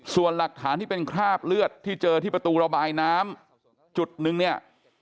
ส่วนหลักฐานที่เป็นคราบเลือดที่เจอที่ประตูระบายน้ำจุดนึงเนี่ย